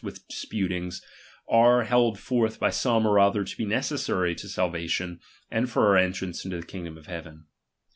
xvii with disputings, are held forth by some or other ^^^^^^.^ to be necessary to salvation and for our entrance which this daj into the kingdom of heaven.